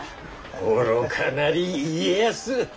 愚かなり家康。